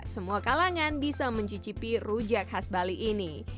semua kalangan bisa mencicipi rujak khas bali ini